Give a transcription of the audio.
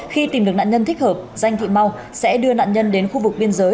khi tìm được nạn nhân thích hợp danh thị mau sẽ đưa nạn nhân đến khu vực biên giới